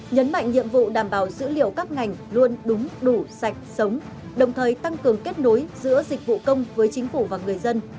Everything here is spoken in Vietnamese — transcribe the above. nhấn mạnh nhiệm vụ đảm bảo dữ liệu các ngành luôn đúng đủ sạch sống đồng thời tăng cường kết nối giữa dịch vụ công với chính phủ và người dân